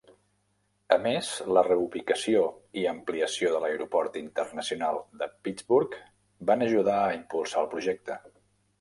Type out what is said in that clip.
A més, la reubicació i ampliació de l'aeroport internacional de Pittsburgh van ajudar a impulsar el projecte.